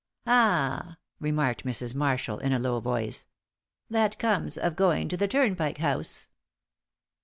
"Ah!" remarked Mrs. Marshal, in a low voice. "That comes of going to the Turnpike House."